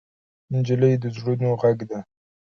نجلۍ د زړونو غږ ده.